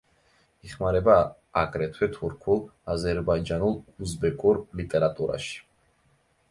იხმარება აგრეთვე თურქულ, აზერბაიჯანულ, უზბეკურ ლიტერატურაში.